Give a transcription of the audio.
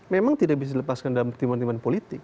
memang tidak bisa dilepaskan dalam pertimbangan politik